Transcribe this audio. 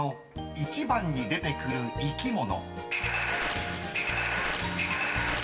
１番に出てくる生き物］